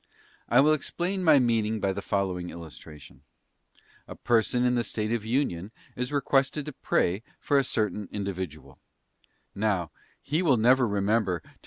_ I will explain my meaning by the following illustration. A person in the State of Union is requested to pray for a certain individual, Now he will never remember to do what * 1 Cor.